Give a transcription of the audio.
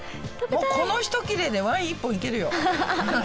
このひと切れでワイン１本いけるよ。